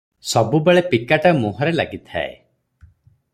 ସବୁବେଳେ ପିକାଟା ମୁହଁରେ ଲାଗିଥାଏ ।